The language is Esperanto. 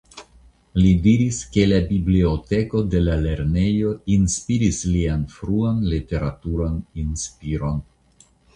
Li diris ke la biblioteko de la lernejo inspiris lian fruan literaturan inspiron.